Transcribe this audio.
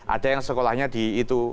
ada yang sekolahnya di itu